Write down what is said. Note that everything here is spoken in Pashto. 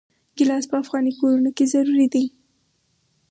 ګیلاس په افغاني کورونو کې ضروري دی.